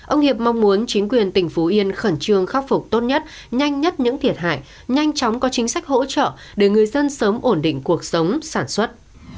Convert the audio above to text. ông hiệp mong muốn chính quyền tỉnh phú yên khẩn trương khắc phục tốt nhất nhanh nhất những thiệt hại nhanh chóng có chính sách hỗ trợ để người dân sớm ổn định cuộc sống sản xuất